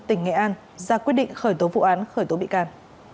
tỉnh nghệ an ra quyết định khởi tố vụ án khởi tố bị can